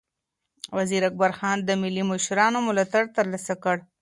وزیر اکبرخان د ملي مشرانو ملاتړ ترلاسه کړ.